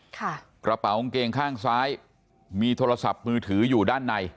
กระเป๋ากางเกงข้างซ้ายมีโทรศัพท์มือถืออยู่ด้านใน